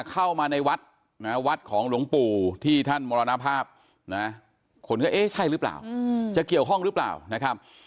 เข้ามาในวัดนะวัดของหลวงปู่ที่ท่านมรณภาพนะคนก็เอ๊ะใช่หรือเปล่าจะเกี่ยวข้องหรือเปล่านะครับ